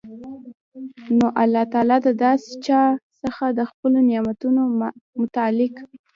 نو الله تعالی د داسي چا څخه د خپلو نعمتونو متعلق